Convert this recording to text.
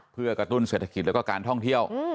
เพื่อกระตุ้นเศรษฐกิจแล้วก็การท่องเที่ยว